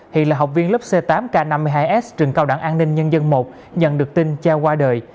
hiện là học viên lớp c tám k năm mươi hai s trường cao đẳng an ninh nhân dân một nhận được tin cha qua đời